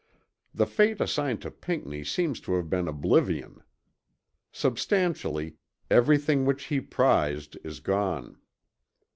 The fate assigned to Pinckney seems to have been oblivion. Substantially everything which he prized is gone.